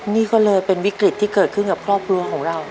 นี่ก็เลยเป็นวิกฤตที่เกิดขึ้นกับครอบครัวของเรา